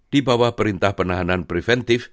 di bawah perintah penahanan preventif